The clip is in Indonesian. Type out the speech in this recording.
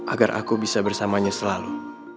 agar aku bisa bersamanya selalu